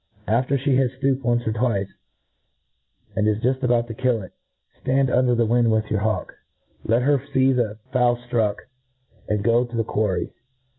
After the .has {looped once or twice, and is juft about to kill it, ftand under the wind with your hawk, let her fee the fowl ftruck, and go to the quarry.